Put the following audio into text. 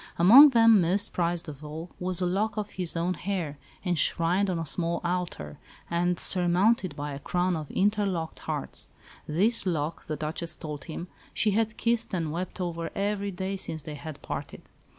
Among them, most prized of all, was a lock of his own hair, enshrined on a small altar, and surmounted by a crown of interlocked hearts. This lock, the Duchess told him, she had kissed and wept over every day since they had parted.